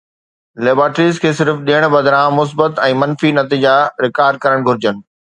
laboratories کي صرف ڏيڻ بدران مثبت ۽ منفي نتيجا رڪارڊ ڪرڻ گهرجن